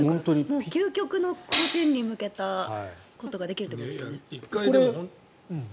究極の個人に向けたことができるというわけですね。